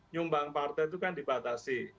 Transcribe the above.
nyumbang partai itu kan dibatasi